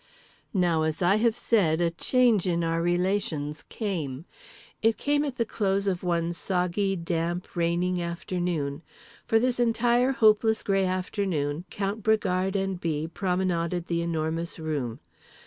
Now, as I have said, a change in our relations came. It came at the close of one soggy, damp, raining afternoon. For this entire hopeless grey afternoon Count Bragard and B. promenaded The Enormous Room.